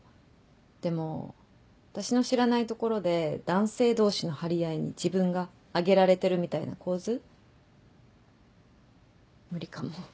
でも私の知らないところで男性同士の張り合いに自分があげられてるみたいな構図無理かも。